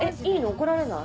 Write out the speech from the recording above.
怒られない？